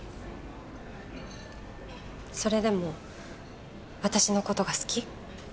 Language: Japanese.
それでも私の事が好き？